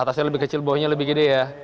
atasnya lebih kecil bawahnya lebih gede ya